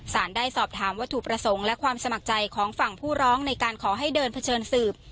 ได้สอบถามวัตถุประสงค์และความสมัครใจของฝั่งผู้ร้องในการขอให้เดินเผชิญสืบ